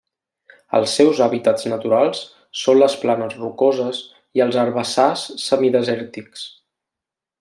Els seus hàbitats naturals són les planes rocoses i els herbassars semidesèrtics.